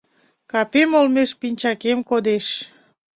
Капем олмеш пинчакем кодеш